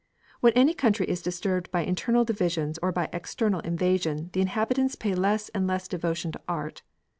When any country is disturbed by internal divisions or by external invasion, the inhabitants pay less and less devotion to art.